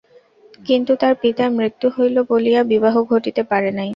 কিন্তু তার পিতার মৃত্যু হইল বলিয়া বিবাহ ঘটিতে পারে নাই।